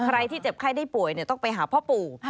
ใครที่เจ็บไข้ได้ป่วยต้องไปหาพ่อปู่